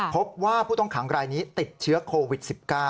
พบว่าผู้ต้องขังรายนี้ติดเชื้อโควิด๑๙